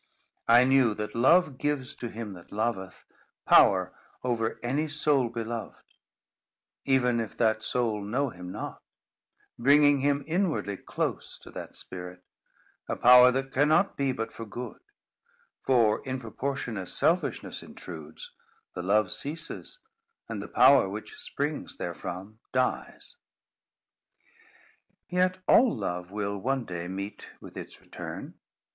I knew that love gives to him that loveth, power over any soul beloved, even if that soul know him not, bringing him inwardly close to that spirit; a power that cannot be but for good; for in proportion as selfishness intrudes, the love ceases, and the power which springs therefrom dies. Yet all love will, one day, meet with its return.